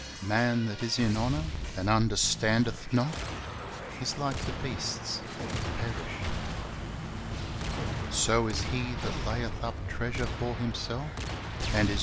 "Man that is in honor, and understandeth not, is like the beasts that perish."^ "So is he that layeth up treasure for himself, and is not iPs. 14:1 2 Ps. 49:18 3i Cor.